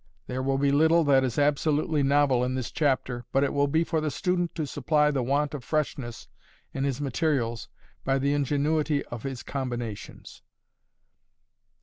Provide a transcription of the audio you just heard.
There will be little that is absolutely novel in this chapter, but it will be for the student to supply the want of freshness in his materials by the ingenuity of his combinations.